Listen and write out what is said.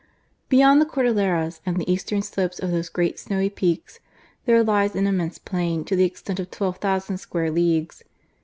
Beyond the Cordilleras and the eastern slopes of those great snowy peaks, there lies an immense plain, to the extent of 12,000 square leagues.